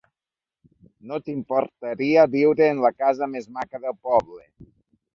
No t'importaria viure en la casa més maca del poble.